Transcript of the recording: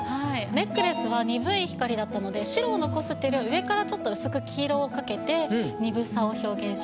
ネックレスは鈍い光だったので白を残すっていうよりは上からちょっと薄く黄色をかけて鈍さを表現しました。